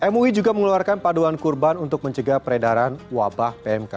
mui juga mengeluarkan paduan kurban untuk mencegah peredaran wabah pmk